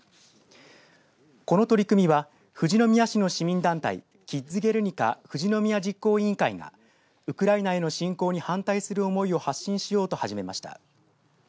この取り組みは富士宮市の市民団体キッズ・ゲルニカ富士宮市実行委員会がウクライナへの侵攻に反対する思いを発信しようと始めました。